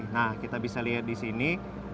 nah kita bisa lihat di sini